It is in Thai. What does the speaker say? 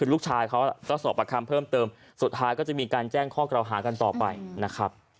ลูกชายเขาก็สอบประคำเพิ่มเติมสุดท้ายก็จะมีการแจ้งข้อกล่าวหากันต่อไปนะครับ